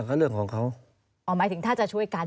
ก็เรื่องของเขาอ๋อหมายถึงถ้าจะช่วยกัน